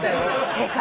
正解。